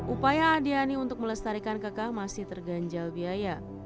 upaya adiani untuk melestarikan kakak masih terganjal biaya